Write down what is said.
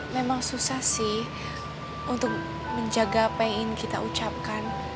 memang susah sih untuk menjaga apa yang ingin kita ucapkan